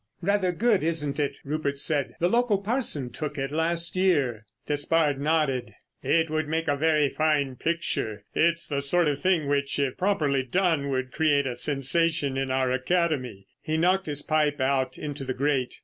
"Rather good, isn't it?" Rupert said. "The local parson took it last year." Despard nodded. "It would make a very fine picture. It's the sort of thing which, if properly done, would create a sensation in our Academy." He knocked his pipe out into the grate.